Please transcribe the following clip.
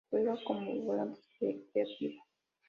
Juega como volante creativo.